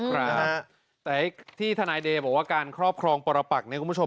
ครับแต่ที่ทนายเดว่าว่าการครอบครองปรปรักษ์เนี้ยคุณผู้ชม